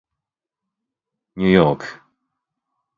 ニューヨーク